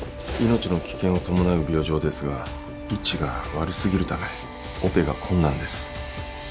命の危険を伴う病状ですが位置が悪すぎるためオペが困難です。